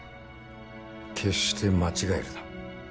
決して間違えるな。